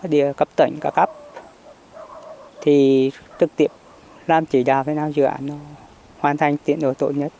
thì cấp tỉnh cấp cấp thì trực tiếp làm chỉ đào với nào dự án hoàn thành tiện đồ tội nhất